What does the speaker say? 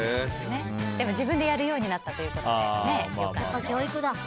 自分でやるようになったということで良かったですね。